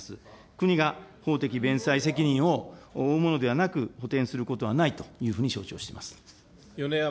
国が法的弁済責任を負うものではなく、補填することはないというふうに承知をしております。